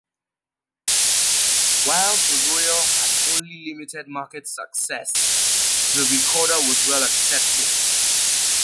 While the Royal had only limited market success, the Recorder was well accepted.